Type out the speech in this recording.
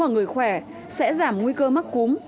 ở người khỏe sẽ giảm nguy cơ mắc cúm